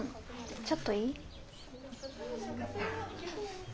ちょっといい？